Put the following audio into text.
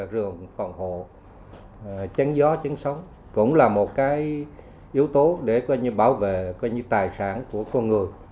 rừng phòng hộ chắn gió chắn sóng cũng là một yếu tố để bảo vệ tài sản của con người